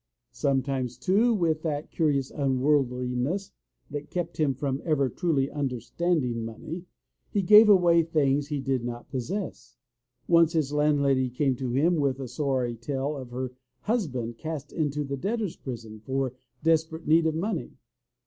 Sometimes, too, with that curious unworldliness that kept him from ever truly understanding money, he gave away things he did not possess. Once his landlady came to him with a sorry tale of her husband cast into the debtor^s prison for desperate need of money.